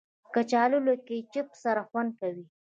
کچالو له کیچپ سره خوند کوي